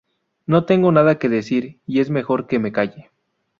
No tengo nada que decir y es mejor que me calle.